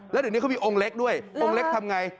แล้วเดี๋ยวนี้เขามีองค์เล็กด้วยองค์เล็กทำไง